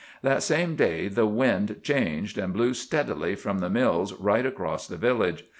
That same day the wind changed, and blew steadily from the mills right across the village.